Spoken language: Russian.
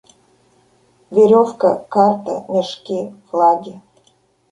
Веревка, карта, мешки, флаги.